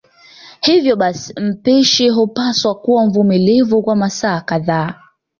Hivyo basi mpishi hupaswa kuwa mvumilivu kwa masaa kadhaa